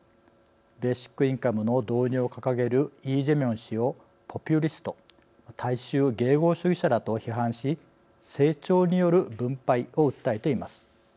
ベーシックインカムの導入を掲げるイ・ジェミョン氏をポピュリュスト＝大衆迎合主義者だと批判し成長による分配を訴えています。